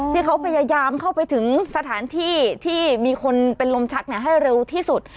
ที่เขาพยายามเข้าไปถึงสถานที่ที่มีคนเป็นลมชักให้เร็วที่สุด